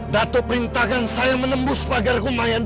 datuk perintahkan saya menembus pagar kumayan